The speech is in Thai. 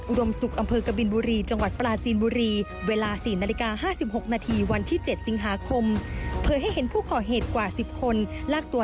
จึงรุมกระทืบและพ้นขวันดำใส่หน้ากระด่าว